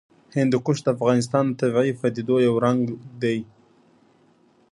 هندوکش د افغانستان د طبیعي پدیدو یو رنګ دی.